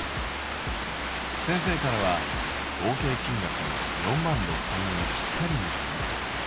先生からは合計金額を４万６０００円ぴったりにすること。